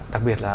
đặc biệt là